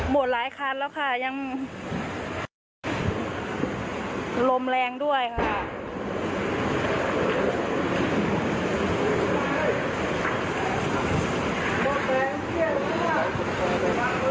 มันยังลมแรงด้วยครับ